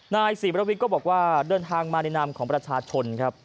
นายศรีบรวิทย์ก็บอกว่าเดินทางมาในนามของประชาชนครับ